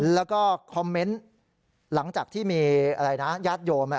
แล้วก็คอมเมนต์หลังจากที่มีอะไรนะญาติโยม